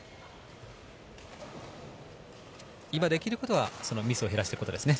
今できることはミスを減らすことですね。